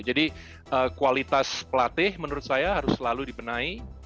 jadi kualitas pelatih menurut saya harus selalu dibenahi